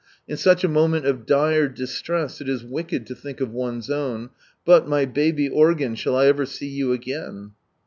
In such a moment of dire distress it is wicked lo think of one's own,— but, my baby organ, shall I ever see you again